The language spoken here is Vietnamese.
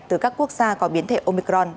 từ các quốc gia có biến thể omicron